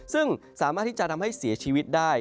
ซึ่งสามารถที่จะทำให้เสียชีวิตได้